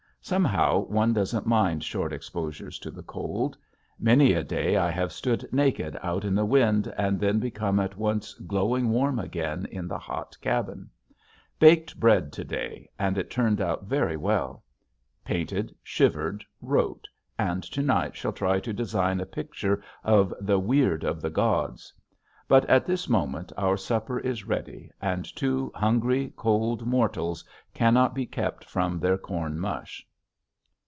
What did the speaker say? Somehow one doesn't mind short exposures to the cold. Many a day I have stood naked out in the wind and then become at once glowing warm again in the hot cabin. Baked bread to day and it turned out very well. Painted, shivered, wrote, and to night shall try to design a picture of the "Weird of the Gods." But at this moment our supper is ready and two hungry, cold mortals cannot be kept from their corn mush.